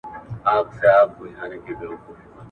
قومي مشران د ډیرو بهرنیو سفارتونو خدمتونه نه لري.